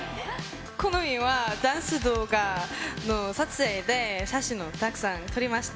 この絵はダンス動画の撮影で写真をたくさん撮りました。